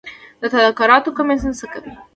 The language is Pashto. د تدارکاتو کمیسیون څه کوي؟